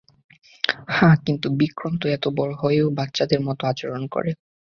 হ্যাঁ, কিন্তু বিক্রম তো এত বড় হয়েও বাচ্চাদের মত আচরণ করে!